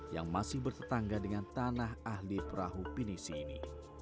yang masih bertetangga dengan tanah ahli perahu pinisi ini